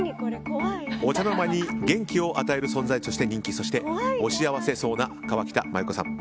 お茶の間に元気を与える存在として人気そして、お幸せそうな河北麻友子さん。